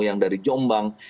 yang dari jombang